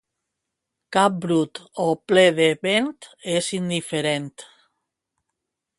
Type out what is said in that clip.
Cap brut o ple de vent és indiferent.